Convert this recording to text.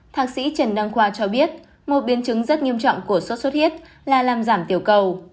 thạc sĩ trần đăng khoa cho biết một biến chứng rất nghiêm trọng của sốt xuất huyết là làm giảm tiểu cầu